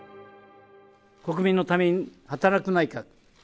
国民のために働く内閣。